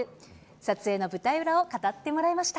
撮影の舞台裏を語ってもらいまし